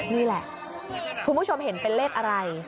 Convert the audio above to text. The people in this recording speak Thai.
นี่แหละคุณผู้ชมเห็นเป็นเลขอะไร